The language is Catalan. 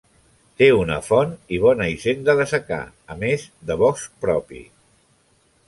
Té una font i bona hisenda de secà, a més de bosc propi.